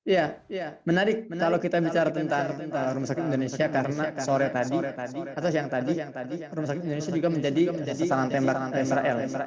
ya menarik kalau kita bicara tentang rumah sakit indonesia karena sore tadi atau siang tadi rumah sakit indonesia juga menjadi sangat tembak israel